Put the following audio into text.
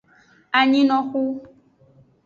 Anyinoxu.